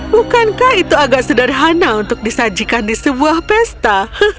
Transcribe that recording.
bukankah itu agak sederhana untuk disajikan di sebuah pesta